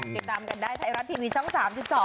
ติดตามได้ไทยรัตท์ทีวีช่อง๓๒นะคะ